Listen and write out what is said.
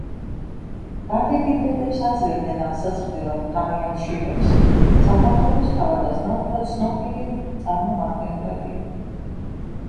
განდეგილ დედებს აძლევდნენ აღსაზრდელად თავიანთ შვილებს საქართველოს თავად-აზნაურთა ცნობილი წარმომადგენლები.